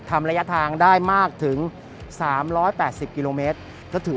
ทำระยะทางได้มากถึงสามร้อยแปดสิบกิโลเมตรก็ถือ